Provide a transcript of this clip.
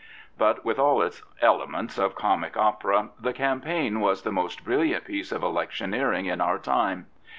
But with all its elements of comic opera, the campaign was the most brilliant piece of electioneering in our time.